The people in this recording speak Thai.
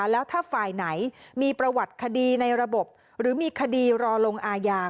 แล้วถ้าฝ่ายไหนมีประวัติคดีในระบบหรือมีคดีรอลงอาญา